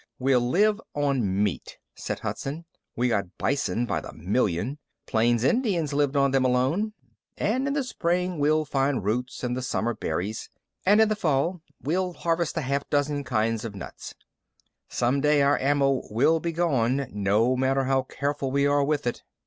"We'll live on meat," said Hudson. "We got bison by the million. The plains Indians lived on them alone. And in the spring, we'll find roots and in the summer berries. And in the fall, we'll harvest a half dozen kinds of nuts." "Some day our ammo will be gone, no matter how careful we are with it."